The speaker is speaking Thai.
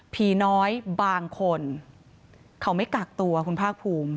ผีน้อยบางคนเขาไม่กักตัวคุณภาคภูมิ